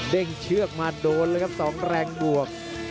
่งเชือกมาโดนเลยครับ๒แรงบวก